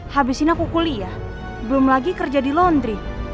habisin aku kuliah belum lagi kerja di laundry